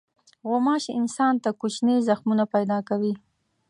غوماشې انسان ته کوچني زخمونه پیدا کوي.